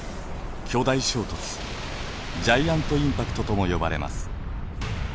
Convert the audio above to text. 巨大衝突ジャイアントインパクトとも呼ばれます。